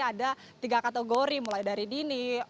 ada tiga kategori mulai dari dini